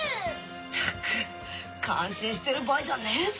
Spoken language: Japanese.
ったく感心してる場合じゃねえぞ